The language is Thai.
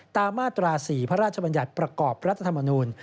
มาตรา๔พระราชบัญญัติประกอบรัฐธรรมนูล